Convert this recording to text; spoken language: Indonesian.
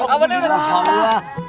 awannya pinggir tuh